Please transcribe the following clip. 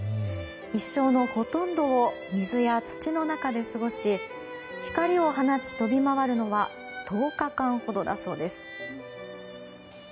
一生のほとんどを水や土の中で過ごし光を放ち飛び回るのは１０日間ほどです。